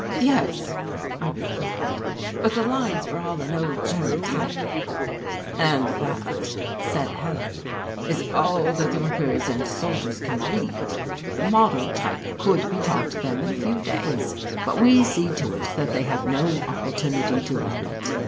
"Yes," I replied, "but the lines were all in old German type." "And that," said Hellar, "is all that the workers and soldiers can read. The modern type could be taught them in a few days, but we see to it that they have no opportunity to learn it.